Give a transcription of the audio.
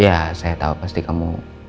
ya saya tahu pasti kamu